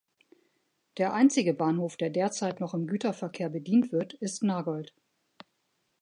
Der einzige Bahnhof, der derzeit noch im Güterverkehr bedient wird, ist Nagold.